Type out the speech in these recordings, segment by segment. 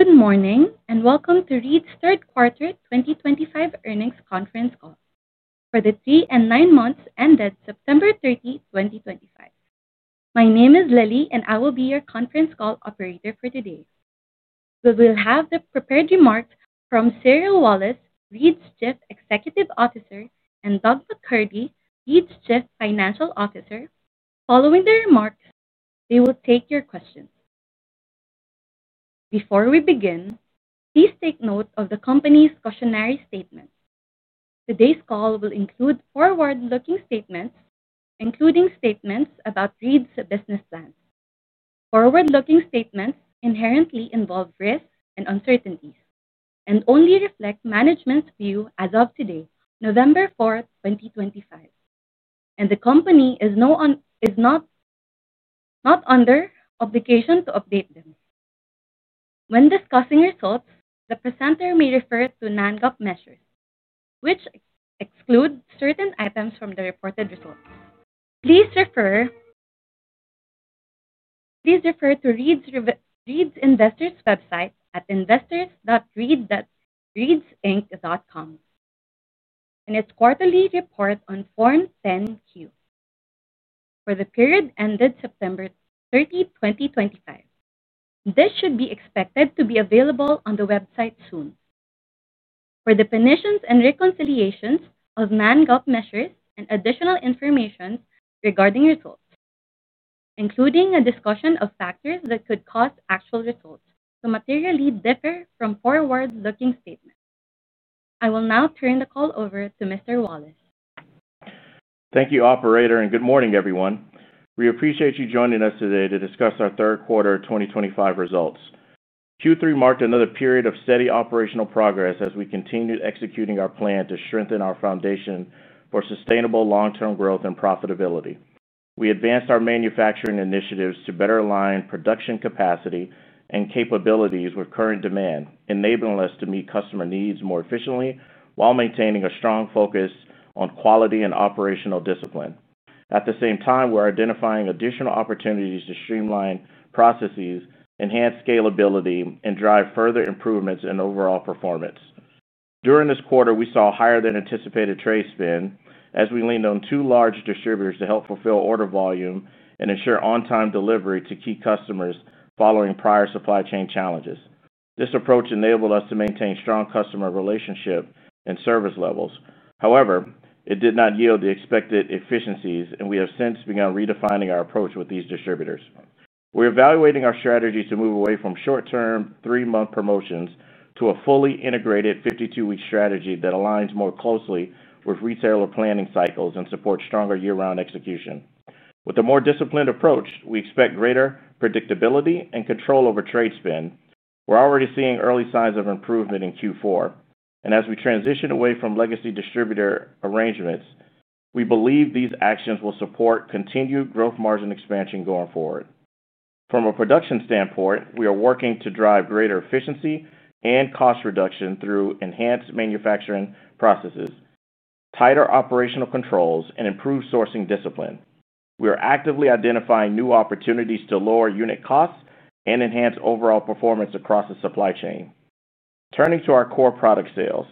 Good morning and welcome to Reed's Third Quarter 2025 Earnings Conference Call for the three and nine months ended September 30, 2025. My name is Lily, and I will be your conference call operator for today. We will have the prepared remarks from Cyril Wallace, Reed's Chief Executive Officer, and Doug McCurdy, Reed's Chief Financial Officer. Following the remarks, they will take your questions. Before we begin, please take note of the company's cautionary statements. Today's call will include forward-looking statements, including statements about Reed's business plans. Forward-looking statements inherently involve risks and uncertainties and only reflect management's view as of today, November 4, 2025. The company is not under obligation to update them. When discussing results, the presenter may refer to non-GAAP measures, which exclude certain items from the reported results. Please refer to Reed's Investors' website at investors.reedsinc.com and its quarterly report on Form 10-Q for the period ended September 30, 2025. This should be expected to be available on the website soon. For the punishments and reconciliations of non-GAAP measures and additional information regarding results, including a discussion of factors that could cause actual results, the materials differ from forward-looking statements. I will now turn the call over to Mr. Wallace. Thank you, Operator, and good morning, everyone. We appreciate you joining us today to discuss our third quarter 2025 results. Q3 marked another period of steady operational progress as we continued executing our plan to strengthen our foundation for sustainable long-term growth and profitability. We advanced our manufacturing initiatives to better align production capacity and capabilities with current demand, enabling us to meet customer needs more efficiently while maintaining a strong focus on quality and operational discipline. At the same time, we're identifying additional opportunities to streamline processes, enhance scalability, and drive further improvements in overall performance. During this quarter, we saw a higher-than-anticipated trade spend as we leaned on two large distributors to help fulfill order volume and ensure on-time delivery to key customers following prior supply chain challenges. This approach enabled us to maintain strong customer relationships and service levels. However, it did not yield the expected efficiencies, and we have since begun redefining our approach with these distributors. We're evaluating our strategy to move away from short-term, three-month promotions to a fully integrated 52-week strategy that aligns more closely with retailer planning cycles and supports stronger year-round execution. With a more disciplined approach, we expect greater predictability and control over trade spend. We're already seeing early signs of improvement in Q4. As we transition away from legacy distributor arrangements, we believe these actions will support continued gross margin expansion going forward. From a production standpoint, we are working to drive greater efficiency and cost reduction through enhanced manufacturing processes, tighter operational controls, and improved sourcing discipline. We are actively identifying new opportunities to lower unit costs and enhance overall performance across the supply chain. Turning to our core product sales,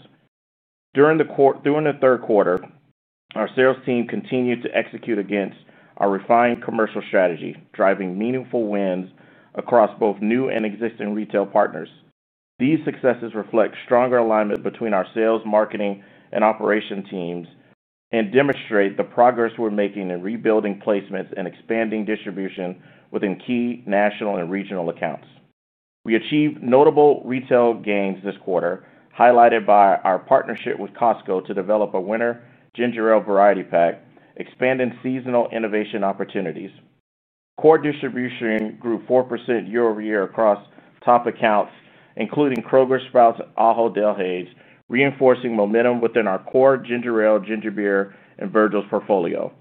during the third quarter, our sales team continued to execute against our refined commercial strategy, driving meaningful wins across both new and existing retail partners. These successes reflect stronger alignment between our sales, marketing, and operations teams and demonstrate the progress we're making in rebuilding placements and expanding distribution within key national and regional accounts. We achieved notable retail gains this quarter, highlighted by our partnership with Costco to develop a Reed’s Winter Ginger Ale Variety Pack, expanding seasonal innovation opportunities. Core distribution grew 4% year-over-year across top accounts, including Kroger, Sprouts Farmers Market, and[ Giant Carlisle], reinforcing momentum within our core Ginger Ale, Ginger Beer, and Virgil's portfolio.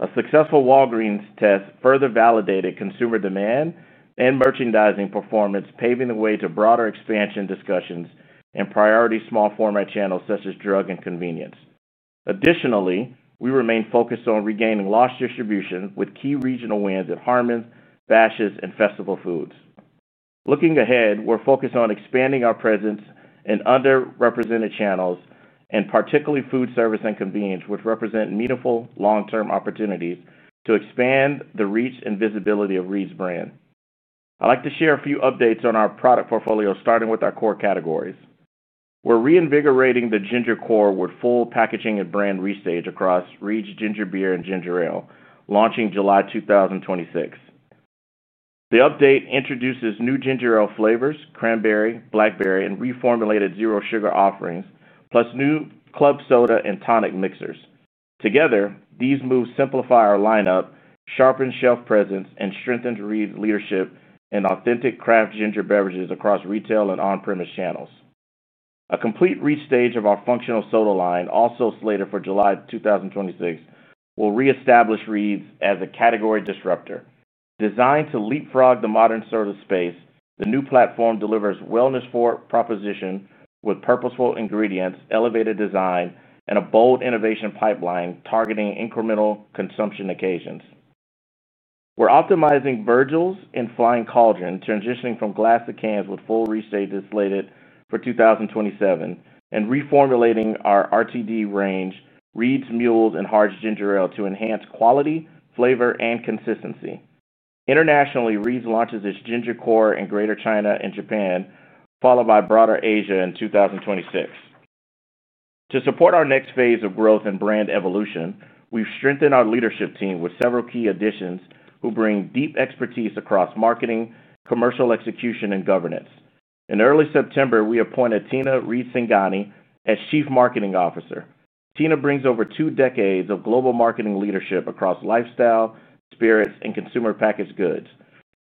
A successful Walgreens test further validated consumer demand and merchandising performance, paving the way to broader expansion discussions and priority small format channels such as drug and convenience. Additionally, we remain focused on regaining lost distribution with key regional wins at Harmons, Bashas’, and Festival Foods. Looking ahead, we're focused on expanding our presence in underrepresented channels and particularly food service and convenience, which represent meaningful long-term opportunities to expand the reach and visibility of Reed's brand. I'd like to share a few updates on our product portfolio, starting with our core categories. We're reinvigorating the Ginger core with full packaging and brand restage across Reed's Ginger Beer and Ginger Ale, launching July 2026. The update introduces new Ginger Ale flavors, cranberry, blackberry, and reformulated zero sugar offerings, plus new club soda and tonic mixers. Together, these moves simplify our lineup, sharpen shelf presence, and strengthen Reed's leadership in authentic craft ginger beverages across retail and on-premise channels. A complete restage of our functional soda line, also slated for July 2026, will reestablish Reed's as a category disruptor. Designed to leapfrog the modern service space, the new platform delivers wellness propositions with purposeful ingredients, elevated design, and a bold innovation pipeline targeting incremental consumption occasions. We're optimizing Virgil's and Flying Cauldron, transitioning from glass to cans with full restage slated for 2027, and reformulating our RTD range, Reed's Mules, and Hard Ginger Ale to enhance quality, flavor, and consistency. Internationally, Reed's launches its Ginger core in Greater China and Japan, followed by broader Asia in 2026. To support our next phase of growth and brand evolution, we've strengthened our leadership team with several key additions who bring deep expertise across marketing, commercial execution, and governance. In early September, we appointed Tina Reesinghani as as Chief Marketing Officer. Tina brings over two decades of global marketing leadership across lifestyle, spirits, and consumer packaged goods.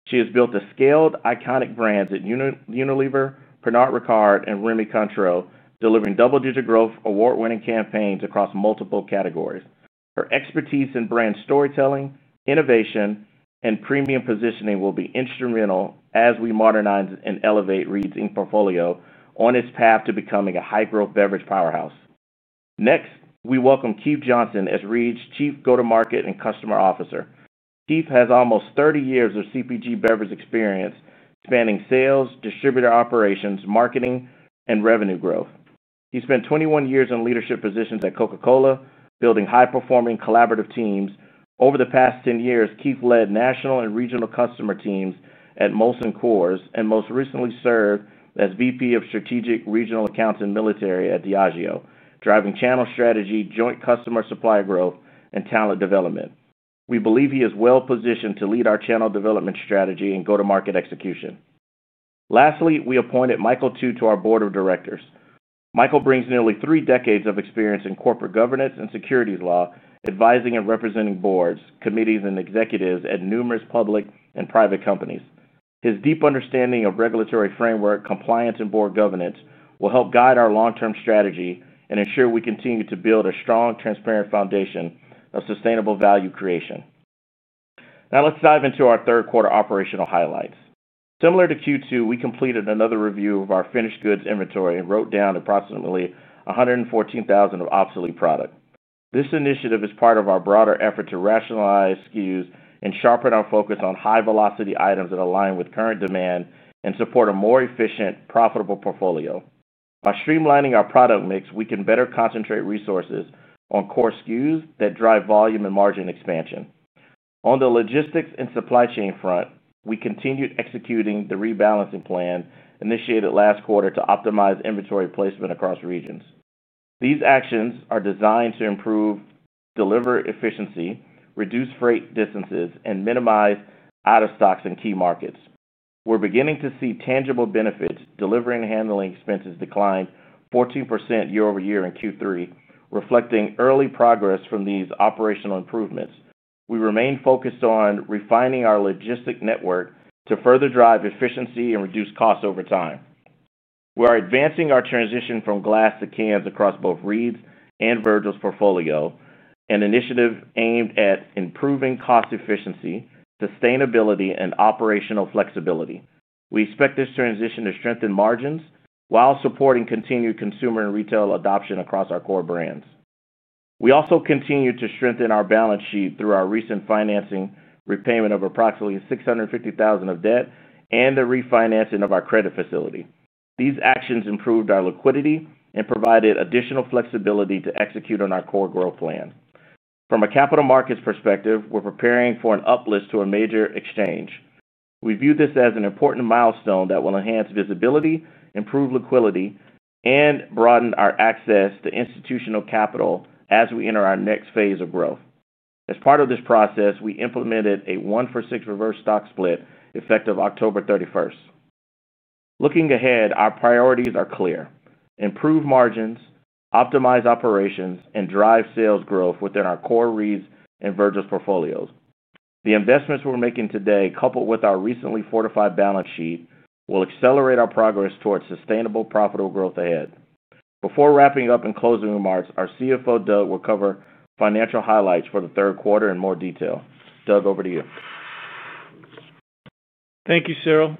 She has built a scaled iconic brand at Unilever, Pernod Ricard, and Rémy Cointreau, delivering double-digit growth award-winning campaigns across multiple categories. Her expertise in brand storytelling, innovation, and premium positioning will be instrumental as we modernize and elevate Reed's portfolio on its path to becoming a high-growth beverage powerhouse. Next, we welcome Keith Johnson as Reed's Chief Go-to-Market and Customer Officer. Keith has almost 30 years of CPG beverage experience spanning sales, distributor operations, marketing, and revenue growth. He spent 21 years in leadership positions at Coca-Cola, building high-performing collaborative teams. Over the past 10 years, Keith led national and regional customer teams at Molson Coors and most recently served as VP of Strategic Regional Accounts and Military at Diageo, driving channel strategy, joint customer supply growth, and talent development. We believe he is well-positioned to lead our channel development strategy and go-to-market execution. Lastly, we appointed Michael Tu to our board of directors. Michael brings nearly three decades of experience in corporate governance and securities law, advising and representing boards, committees, and executives at numerous public and private companies. His deep understanding of regulatory framework, compliance, and board governance will help guide our long-term strategy and ensure we continue to build a strong, transparent foundation of sustainable value creation. Now, let's dive into our third quarter operational highlights. Similar to Q2, we completed another review of our finished goods inventory and wrote down approximately $114,000 of obsolete products. This initiative is part of our broader effort to rationalize SKUs and sharpen our focus on high-velocity items that align with current demand and support a more efficient, profitable portfolio. By streamlining our product mix, we can better concentrate resources on core SKUs that drive volume and margin expansion. On the logistics and supply chain front, we continued executing the rebalancing plan initiated last quarter to optimize inventory placement across regions. These actions are designed to improve delivery efficiency, reduce freight distances, and minimize out-of-stocks in key markets. We're beginning to see tangible benefits. Delivery and handling expenses declined 14% year-over-year in Q3, reflecting early progress from these operational improvements. We remain focused on refining our logistic network to further drive efficiency and reduce costs over time. We are advancing our transition from glass to cans across both Reed's and Virgil's portfolio, an initiative aimed at improving cost efficiency, sustainability, and operational flexibility. We expect this transition to strengthen margins while supporting continued consumer and retail adoption across our core brands. We also continue to strengthen our balance sheet through our recent financing repayment of approximately $650,000 of debt and the refinancing of our credit facility. These actions improved our liquidity and provided additional flexibility to execute on our core growth plan. From a capital markets perspective, we're preparing for an uplift to a major exchange. We view this as an important milestone that will enhance visibility, improve liquidity, and broaden our access to institutional capital as we enter our next phase of growth. As part of this process, we implemented a 1-for-6 reverse stock split effective October 31. Looking ahead, our priorities are clear: improve margins, optimize operations, and drive sales growth within our core Reed's and Virgil's portfolios. The investments we're making today, coupled with our recently fortified balance sheet, will accelerate our progress towards sustainable, profitable growth ahead. Before wrapping up and closing remarks, our CFO, Doug, will cover financial highlights for the third quarter in more detail. Doug, over to you. Thank you, Cyril.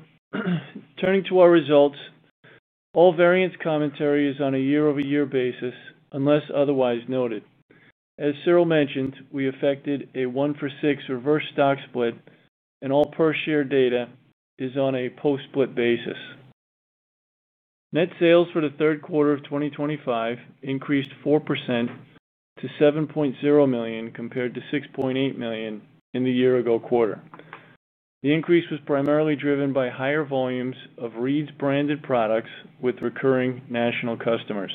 Turning to our results, all variance commentary is on a year-over-year basis unless otherwise noted. As Cyril mentioned, we effected a 1-for-6 reverse stock split, and all per-share data is on a post-split basis. Net sales for the third quarter of 2025 increased 4% to $7.0 million compared to $6.8 million in the year-ago quarter. The increase was primarily driven by higher volumes of Reed's branded products with recurring national customers.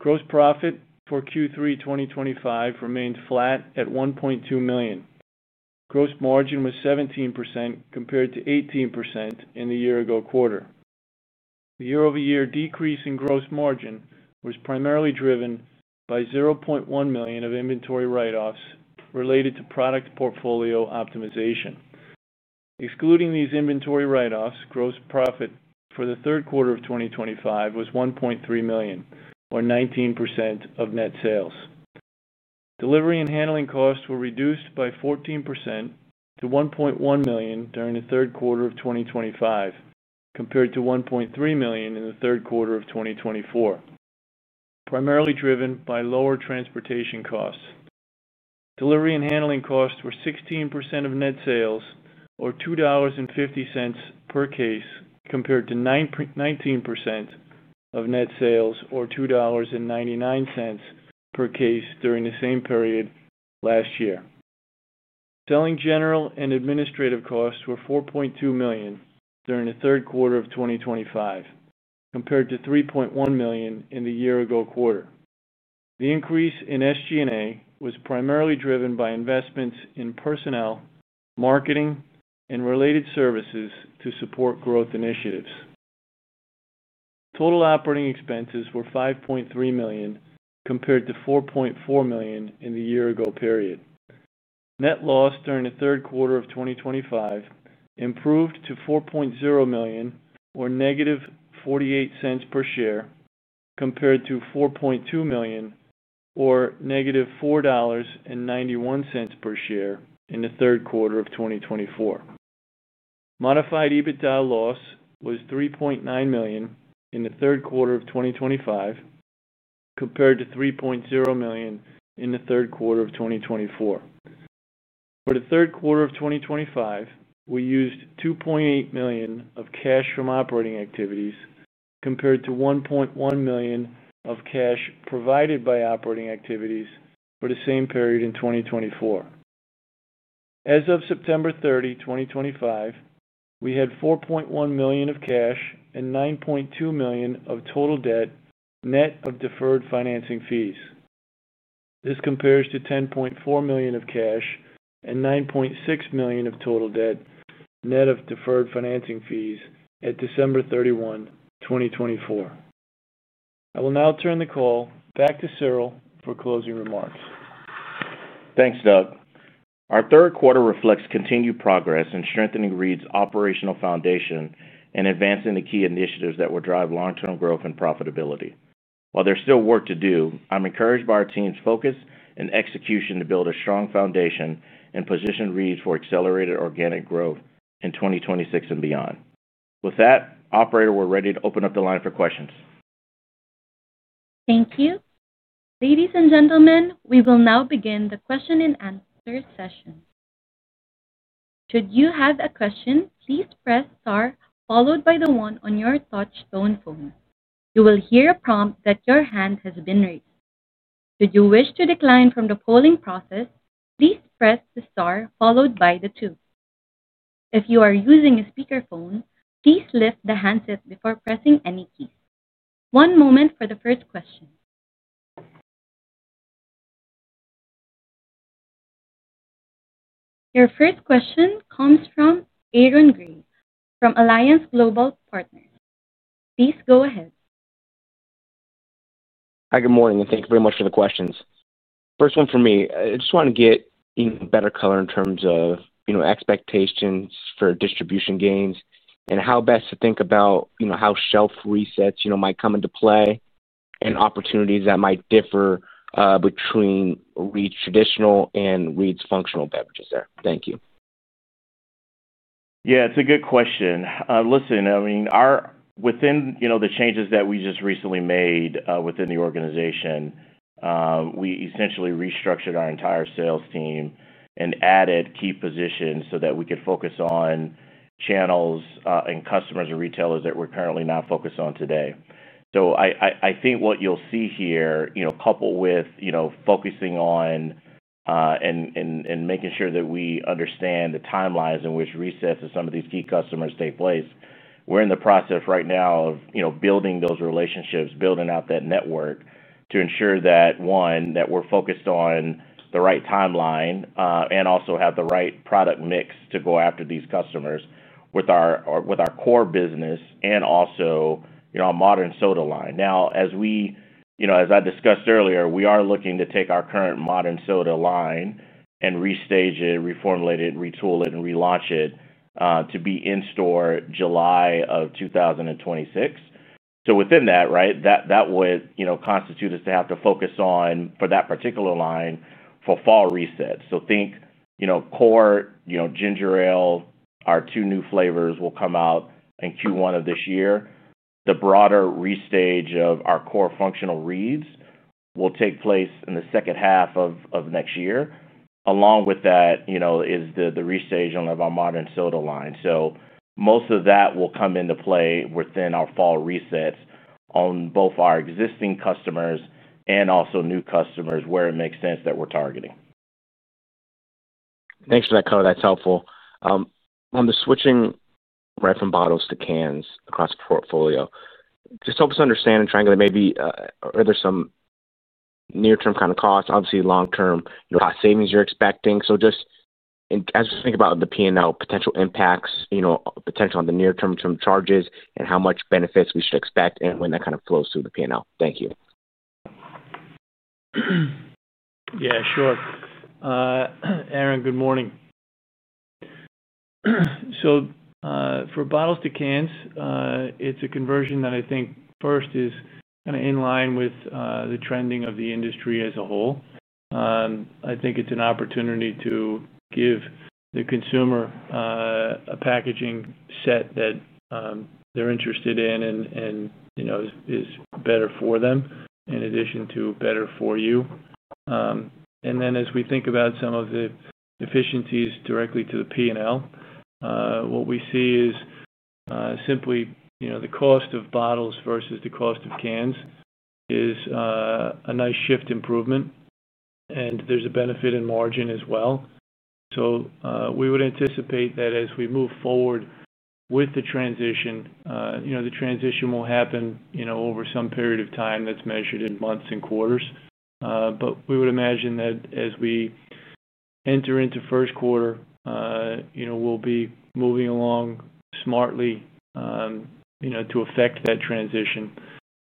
Gross profit for Q3 2025 remained flat at $1.2 million. Gross margin was 17% compared to 18% in the year-ago quarter. The year-over-year decrease in gross margin was primarily driven by $0.1 million of inventory write-offs related to product portfolio optimization. Excluding these inventory write-offs, gross profit for the third quarter of 2025 was $1.3 million, or 19% of net sales. Delivery and handling costs were reduced by 14% to $1.1 million during the third quarter of 2025 compared to $1.3 million in the third quarter of 2024, primarily driven by lower transportation costs. Delivery and handling costs were 16% of net sales, or $2.50 per case, compared to 19% of net sales, or $2.99 per case during the same period last year. Selling, general, and administrative costs were $4.2 million during the third quarter of 2025 compared to $3.1 million in the year-ago quarter. The increase in SG&A was primarily driven by investments in personnel, marketing, and related services to support growth initiatives. Total operating expenses were $5.3 million compared to $4.4 million in the year-ago period. Net loss during the third quarter of 2025 improved to $4.0 million, or -$0.48 per share, compared to $4.2 million, or -$4.91 per share in the third quarter of 2024. Modified EBITDA loss was $3.9 million in the third quarter of 2025 compared to $3.0 million in the third quarter of 2024. For the third quarter of 2025, we used $2.8 million of cash from operating activities compared to $1.1 million of cash provided by operating activities for the same period in 2024. As of September 30, 2025, we had $4.1 million of cash and $9.2 million of total debt net of deferred financing fees. This compares to $10.4 million of cash and $9.6 million of total debt net of deferred financing fees at December 31, 2024. I will now turn the call back to Cyril for closing remarks. Thanks, Doug. Our third quarter reflects continued progress in strengthening Reed's operational foundation and advancing the key initiatives that will drive long-term growth and profitability. While there's still work to do, I'm encouraged by our team's focus and execution to build a strong foundation and position Reed for accelerated organic growth in 2026 and beyond. With that, operator, we're ready to open up the line for questions. Thank you. Ladies and gentlemen, we will now begin the question-and-answer session. Should you have a question, please press star followed by the one on your touchstone phone. You will hear a prompt that your hand has been raised. Should you wish to decline from the polling process, please press the star followed by the two. If you are using a speakerphone, please lift the handset before pressing any keys. One moment for the first question. Your first question comes from Aaron Grey from Alliance Global Partners. Please go ahead. Hi, good morning, and thank you very much for the questions. First one for me, I just want to get in better color in terms of expectations for distribution gains and how best to think about how shelf resets might come into play and opportunities that might differ between Reed's traditional and Reed's functional beverages there. Thank you. Yeah, it's a good question. Listen, I mean, within the changes that we just recently made within the organization, we essentially restructured our entire sales team and added key positions so that we could focus on channels and customers or retailers that we're currently not focused on today. I think what you'll see here, coupled with focusing on and making sure that we understand the timelines in which resets to some of these key customers take place, we're in the process right now of building those relationships, building out that network to ensure that, one, that we're focused on the right timeline and also have the right product mix to go after these customers with our core business and also our modern soda line. Now, as I discussed earlier, we are looking to take our current modern soda line and restage it, reformulate it, retool it, and relaunch it to be in store July of 2026. Within that, right, that would constitute us to have to focus on, for that particular line, for fall resets. Think Core, Ginger Ale, our two new flavors will come out in Q1 of this year. The broader restage of our core functional Reed's will take place in the second half of next year. Along with that is the restage on our modern soda line. Most of that will come into play within our fall resets on both our existing customers and also new customers where it makes sense that we're targeting. Thanks for that, Cohane. That's helpful. On the switching right from bottles to cans across the portfolio, just help us understand and try and get maybe are there some near-term kind of costs, obviously long-term cost savings you're expecting. Just as we think about the P&L potential impacts, potential on the near-term charges, and how much benefits we should expect and when that kind of flows through the P&L. Thank you. Yeah, sure. Aaron, good morning. For bottles to cans, it's a conversion that I think first is kind of in line with the trending of the industry as a whole. I think it's an opportunity to give the consumer a packaging set that they're interested in and is better for them in addition to better for you. As we think about some of the efficiencies directly to the P&L, what we see is simply the cost of bottles versus the cost of cans is a nice shift improvement. There's a benefit in margin as well. We would anticipate that as we move forward with the transition, the transition will happen over some period of time that's measured in months and quarters. We would imagine that as we enter into first quarter, we'll be moving along smartly to affect that transition.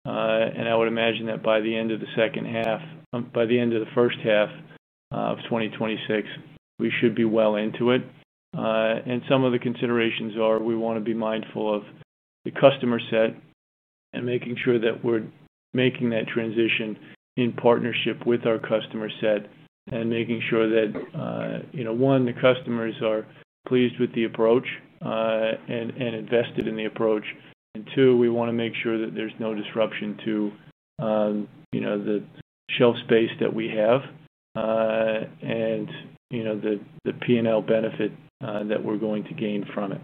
I would imagine that by the end of the first half of 2026, we should be well into it. Some of the considerations are we want to be mindful of the customer set and making sure that we're making that transition in partnership with our customer set and making sure that, one, the customers are pleased with the approach and invested in the approach, and two, we want to make sure that there's no disruption to the shelf space that we have and the P&L benefit that we're going to gain from it.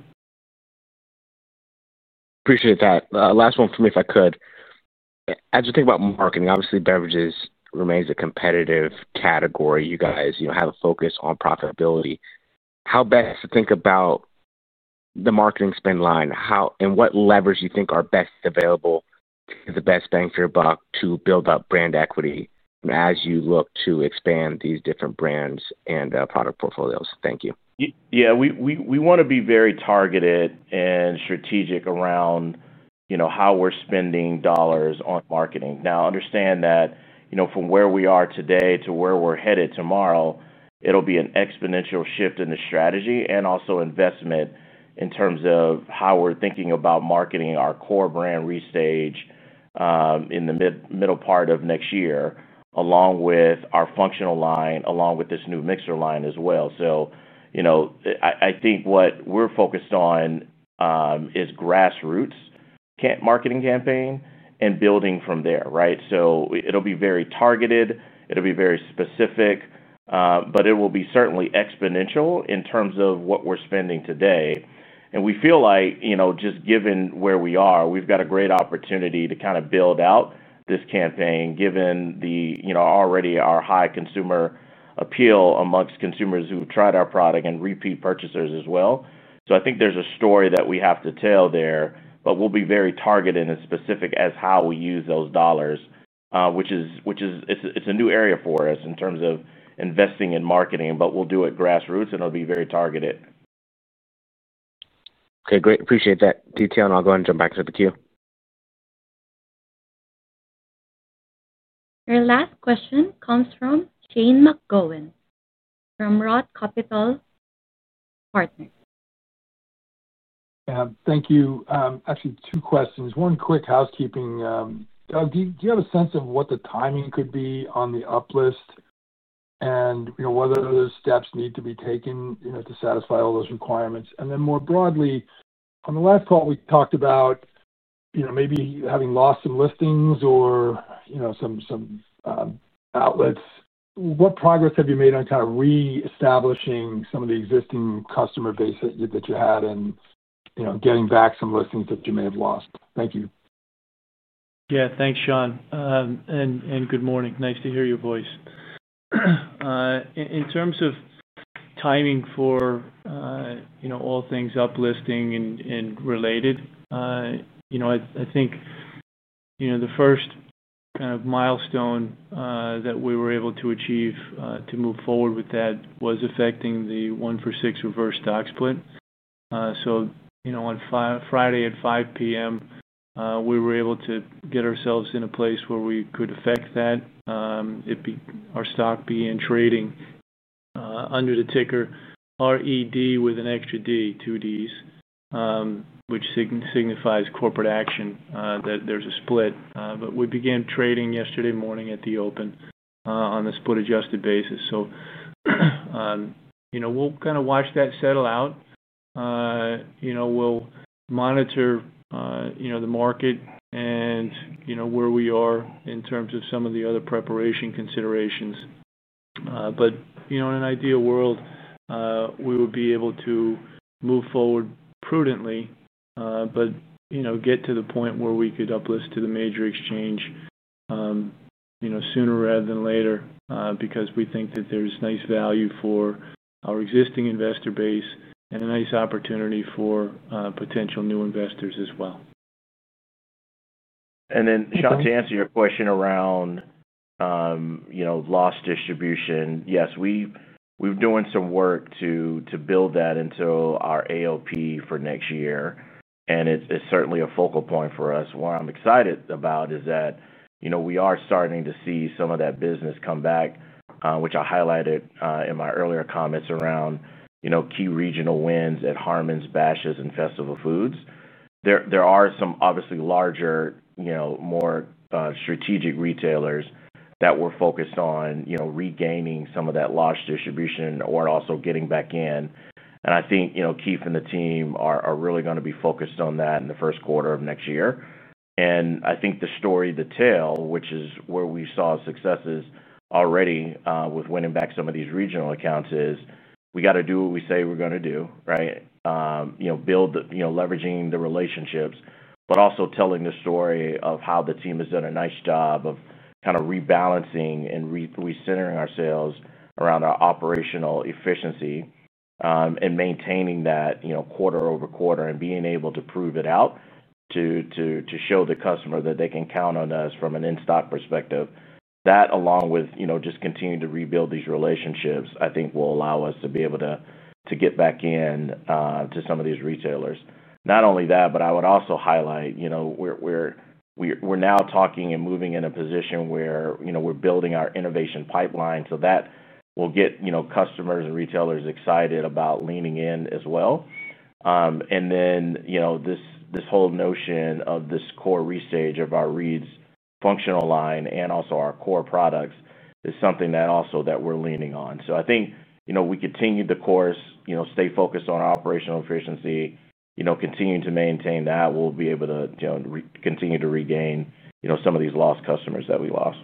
Appreciate that. Last one for me if I could. As you think about marketing, obviously beverages remains a competitive category. You guys have a focus on profitability. How best to think about the marketing spend line and what levers you think are best available to the best bang for your buck to build up brand equity as you look to expand these different brands and product portfolios? Thank you. Yeah, we want to be very targeted and strategic around how we're spending dollars on marketing. Now, understand that from where we are today to where we're headed tomorrow, it'll be an exponential shift in the strategy and also investment in terms of how we're thinking about marketing our core brand restage in the middle part of next year, along with our functional line, along with this new mixer line as well. I think what we're focused on is grassroots marketing campaign and building from there, right? It'll be very targeted. It'll be very specific. It will be certainly exponential in terms of what we're spending today. We feel like just given where we are, we've got a great opportunity to kind of build out this campaign given already our high consumer appeal amongst consumers who've tried our product and repeat purchasers as well. I think there's a story that we have to tell there, but we'll be very targeted and specific as how we use those dollars, which is a new area for us in terms of investing in marketing, but we'll do it grassroots, and it'll be very targeted. Okay, great. Appreciate that detail, and I'll go ahead and jump back into the queue. Your last question comes from Sean McGowan from Roth Capital Partners. Thank you. Actually, two questions. One quick housekeeping. Doug, do you have a sense of what the timing could be on the uplist? And whether those steps need to be taken to satisfy all those requirements? More broadly, on the last call, we talked about maybe having lost some listings or some outlets. What progress have you made on kind of reestablishing some of the existing customer base that you had and getting back some listings that you may have lost? Thank you. Yeah, thanks, Sean. Good morning. Nice to hear your voice. In terms of timing for all things uplisting and related, I think the first kind of milestone that we were able to achieve to move forward with that was affecting the 1-for-6 reverse stock split. On Friday at 5:00 P.M., we were able to get ourselves in a place where we could affect that. Our stock being trading under the ticker REED with an extra D, two Ds, which signifies corporate action, that there's a split. We began trading yesterday morning at the open on a split-adjusted basis. We'll kind of watch that settle out. We'll monitor the market and where we are in terms of some of the other preparation considerations. In an ideal world, we would be able to move forward prudently, but get to the point where we could uplist to the major exchange sooner rather than later because we think that there's nice value for our existing investor base and a nice opportunity for potential new investors as well. Sean, to answer your question around loss distribution, yes, we're doing some work to build that into our AOP for next year. It is certainly a focal point for us. What I'm excited about is that we are starting to see some of that business come back, which I highlighted in my earlier comments around key regional wins at Harmons, Bashas’, and Festival Foods. There are some obviously larger, more strategic retailers that we're focused on regaining some of that loss distribution or also getting back in. I think Keith and the team are really going to be focused on that in the first quarter of next year. I think the story to tell, which is where we saw successes already with winning back some of these regional accounts, is we have to do what we say we're going to do, right? Build, leveraging the relationships, but also telling the story of how the team has done a nice job of kind of rebalancing and recentering ourselves around our operational efficiency. Maintaining that quarter-over-quarter and being able to prove it out to show the customer that they can count on us from an in-stock perspective. That, along with just continuing to rebuild these relationships, I think will allow us to be able to get back in to some of these retailers. Not only that, but I would also highlight we are now talking and moving in a position where we're building our innovation pipeline. That will get customers and retailers excited about leaning in as well. This whole notion of this core restage of our Reed's functional line and also our core products is something that also that we're leaning on. I think we continue the course, stay focused on our operational efficiency, continue to maintain that. We'll be able to continue to regain some of these lost customers that we lost.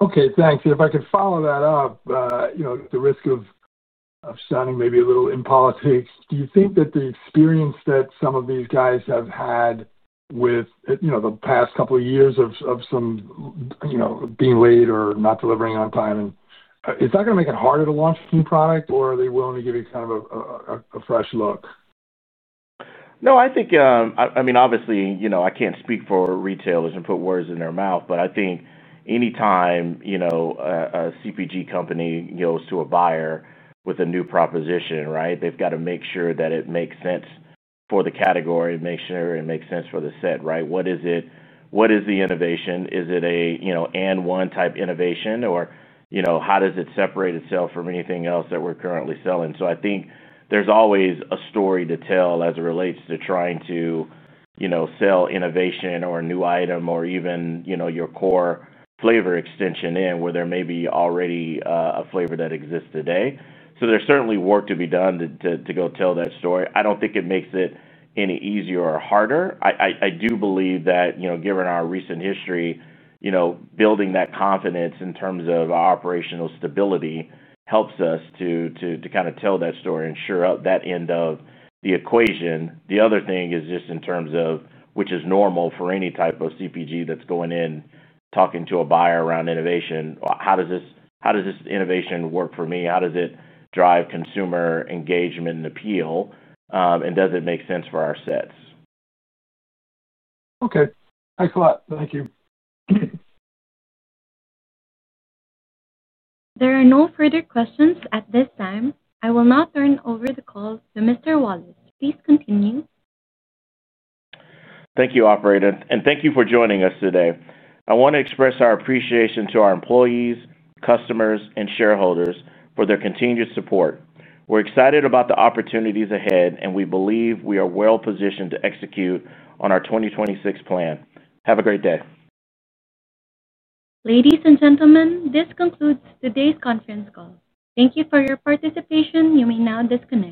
Okay, thanks. If I could follow that up. The risk of sounding maybe a little in politics, do you think that the experience that some of these guys have had with the past couple of years of some being late or not delivering on time? Is that going to make it harder to launch a new product, or are they willing to give you kind of a fresh look? No, I think, I mean, obviously, I can't speak for retailers and put words in their mouth, but I think anytime a CPG company goes to a buyer with a new proposition, right, they've got to make sure that it makes sense for the category, make sure it makes sense for the set, right? What is the innovation? Is it a and-one type innovation, or how does it separate itself from anything else that we're currently selling? I think there's always a story to tell as it relates to trying to sell innovation or a new item or even your core flavor extension in where there may be already a flavor that exists today. There's certainly work to be done to go tell that story. I don't think it makes it any easier or harder. I do believe that given our recent history, building that confidence in terms of our operational stability helps us to kind of tell that story and shore up that end of the equation. The other thing is just in terms of, which is normal for any type of CPG that's going in talking to a buyer around innovation, how does this innovation work for me? How does it drive consumer engagement and appeal? Does it make sense for our sets? Okay. Thanks a lot. Thank you. There are no further questions at this time. I will now turn over the call to Mr. Wallace. Please continue. Thank you, operator. Thank you for joining us today. I want to express our appreciation to our employees, customers, and shareholders for their continued support. We're excited about the opportunities ahead, and we believe we are well positioned to execute on our 2026 plan. Have a great day. Ladies and gentlemen, this concludes today's conference call. Thank you for your participation. You may now disconnect.